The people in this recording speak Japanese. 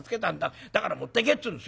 だから持ってけって言うんですよ。